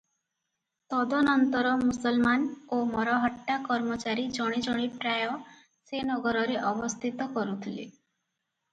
ତଦନନ୍ତର ମୁସଲମାନ ଓ ମରହଟ୍ଟା କର୍ମଚାରୀ ଜଣେ ଜଣେ ପ୍ରାୟ ସେ ନଗରରେ ଅବସ୍ଥିତ କରୁଥିଲେ ।